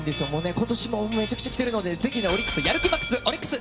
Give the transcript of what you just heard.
今年もめちゃくちゃきてるのでやる気マックスオリックス！